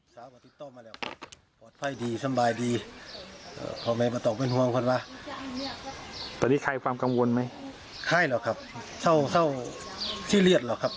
เจ้าเจ้าซิเรียสเหรอครับ